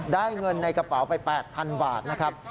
ได้เงินในกระเป๋าไป๘๐๐๐บาทนะครับ